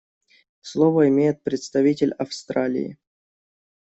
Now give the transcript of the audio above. Слово имеет представитель Австралии.